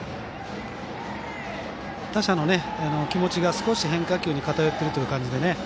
打者の気持ちが少し変化球に偏っているという感じで。